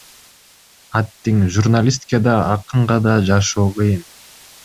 Аттиң, журналистке да, акынга да жашоо кыйын,